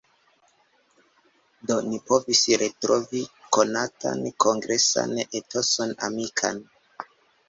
Do ni povis retrovi konatan kongresan etoson amikan.